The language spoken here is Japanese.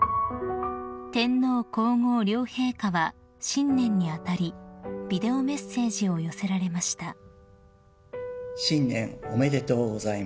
［天皇皇后両陛下は新年に当たりビデオメッセージを寄せられました］